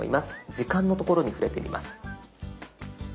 時間の所に触れてみます。